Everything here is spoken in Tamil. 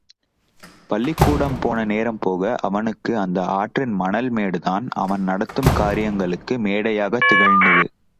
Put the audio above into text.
பள்ளிக் கூடம் போன நேரம் போக, அவனுக்கு அந்த ஆற்றின் மணல்மேடுதான், அவன் நடத்தும் காரியங்களுக்கு மேடையாகத் திகழ்ந்தது.